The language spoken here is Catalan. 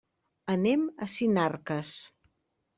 Anem a Sinarques.